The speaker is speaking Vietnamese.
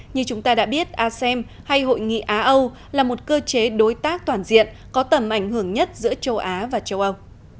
như chúng ta đã biết asem hay hội nghị á âu là một cơ chế đối tác toàn diện có tầm ảnh hưởng nhất giữa châu á và châu âu